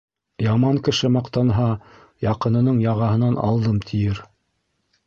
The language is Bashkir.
Яман кеше маҡтанһа, яҡынының яғаһынан алдым, тиер.